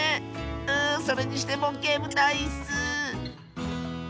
うそれにしてもけむたいッス。